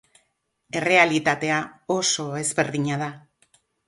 Errealitatea oso ezberdina da.